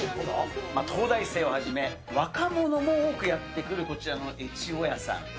東大生をはじめ、若者も多くやって来る、こちらのゑちごやさん。